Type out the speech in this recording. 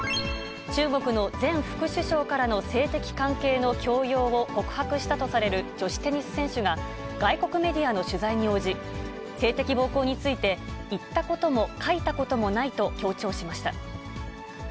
中国の前副首相からの性的関係の強要を告白したとされる女子テニス選手が、外国メディアの取材に応じ、性的暴行について、言ったことも書いたこともないと強調しました。